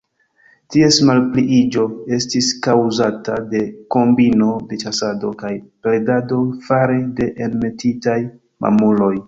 Ties malpliiĝo estis kaŭzata de kombino de ĉasado kaj predado fare de enmetitaj mamuloj.